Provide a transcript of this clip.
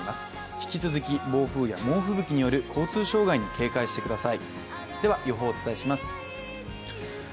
引き続き、暴風や猛吹雪による交通障害に警戒してください。